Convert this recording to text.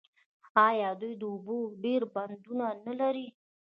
آیا دوی د اوبو ډیر بندونه نلري؟